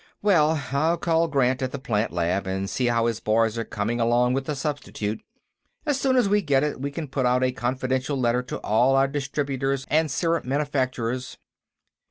Well, I'll call Grant, at the plant lab, and see how his boys are coming along with the substitute; as soon as we get it, we can put out a confidential letter to all our distributors and syrup manufacturers...."